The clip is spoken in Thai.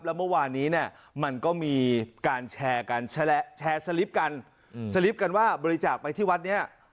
แล้วเมื่อวานนี้เนี่ยมันก็มีการแชร์กันแชร์สลิปกันสลิปกันว่าบริจาคไปที่วัดนี้